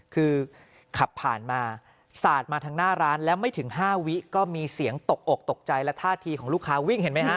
คือขับผ่านมาสาดมาทางหน้าร้านแล้วไม่ถึง๕วิก็มีเสียงตกอกตกใจและท่าทีของลูกค้าวิ่งเห็นไหมฮะ